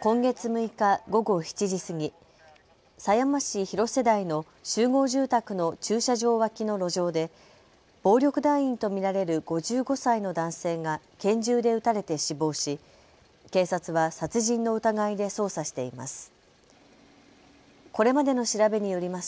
今月６日、午後７時過ぎ、狭山市広瀬台の集合住宅の駐車場脇の路上で暴力団員と見られる５５歳の男性が拳銃で撃たれて死亡し警察は殺人の疑いで捜査しています。